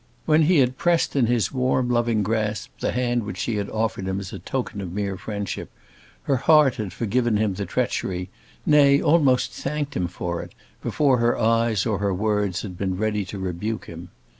When he had pressed in his warm, loving grasp the hand which she had offered him as a token of mere friendship, her heart had forgiven him the treachery, nay, almost thanked him for it, before her eyes or her words had been ready to rebuke him.